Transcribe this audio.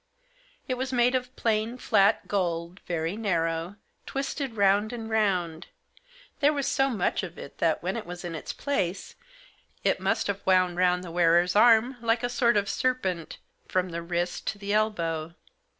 It was made of plain, flat gold, very narrow, twisted round and round ; there was so much of it that, when it was in its place, it must have wound round the wearer's arm, like a sort of serpent, from the wrist to the elbow.